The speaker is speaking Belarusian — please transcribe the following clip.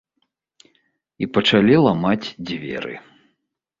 І пачалі ламаць дзверы.